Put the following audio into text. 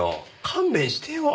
勘弁してよ。